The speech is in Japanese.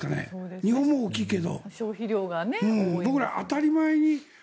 日本も大きいけど。